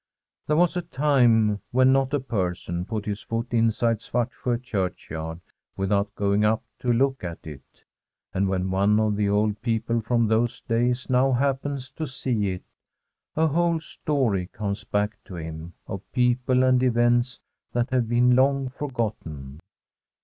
There was a time when not a person put his foot inside Svartsjo Churchyard without going up to look at it. And when one of the old. people from those days now happens to see it, a whole story comes back to him of people and events that have been long forgotten.